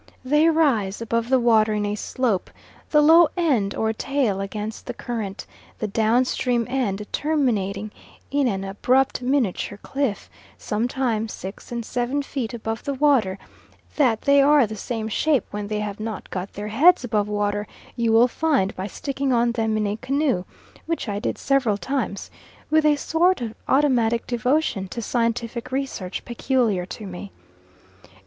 They rise above the water in a slope, the low end or tail against the current; the down stream end terminating in an abrupt miniature cliff, sometimes six and seven feet above the water; that they are the same shape when they have not got their heads above water you will find by sticking on them in a canoe, which I did several times, with a sort of automatic devotion to scientific research peculiar to me.